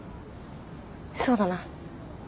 そうだな。